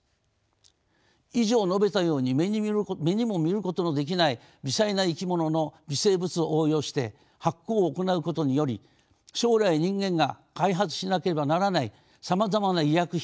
以上述べたように目にも見ることのできない微細な生き物の微生物を応用して発酵を行うことにより将来人間が開発しなければならないさまざまな医薬品